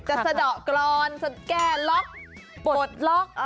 สะดอกกรอนสะแก้ล็อกปลดล็อก